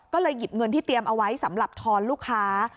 ก็เลยหยิบเงินที่เตรียมเอาไว้สำหรับทอนลูกค้า